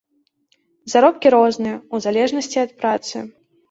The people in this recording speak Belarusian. Заробкі розныя, у залежнасці ад працы.